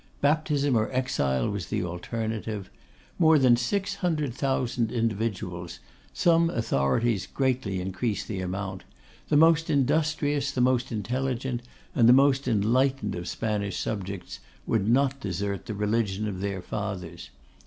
Baptism or exile was the alternative. More than six hundred thousand individuals, some authorities greatly increase the amount, the most industrious, the most intelligent, and the most enlightened of Spanish subjects, would not desert the religion of their fathers.